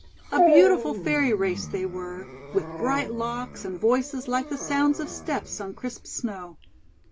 A beautiful Fairy race they were, with bright locks, and voices like the sounds of steps on crisp Snow.